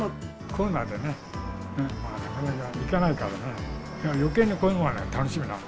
コロナでね、なかなか行けないからね、よけいにこういうのがね、楽しみなの。